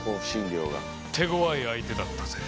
手ごわい相手だったぜ。